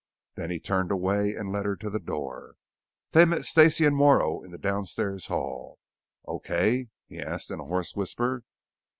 Then he turned away and led her to the door. They met Stacey and Morrow in the downstairs hall. "Okay?" he asked in a hoarse whisper.